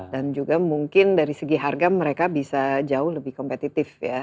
dan juga mungkin dari segi harga mereka bisa jauh lebih kompetitif ya